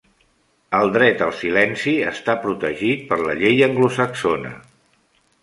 El dret al silenci està protegir per la llei anglosaxona.